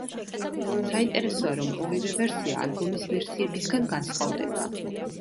საინტერესოა, რომ ორივე ვერსია ალბომის ვერსიებისგან განსხვავდება.